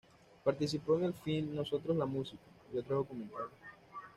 Participó en el film "Nosotros, la música" y otros documentales.